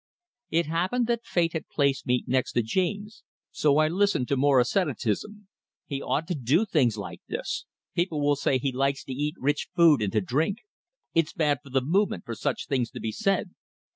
It happened that fate had placed me next to James, so I listened to more asceticism. "He oughtn't to do things like this! People will say he likes to eat rich food and to drink. It's bad for the movement for such things to be said."